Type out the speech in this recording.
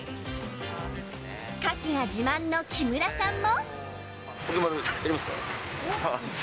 カキが自慢の木村さんも。